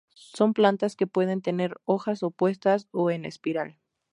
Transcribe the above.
Son plantas que pueden tener hojas opuestas o en espiral.